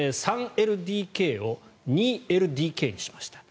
３ＬＤＫを２ＬＤＫにしました。